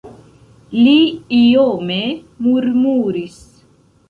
Li iome murmuris.